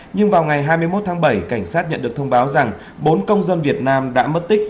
nhưng vào ngày hai mươi một tháng bảy cảnh sát nhận được thông báo rằng bốn công dân việt nam đã mất tích